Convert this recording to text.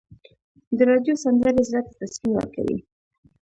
د راډیو سندرې زړه ته تسکین ورکوي.